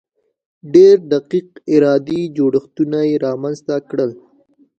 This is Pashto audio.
ډېر دقیق اداري جوړښتونه یې رامنځته کړل.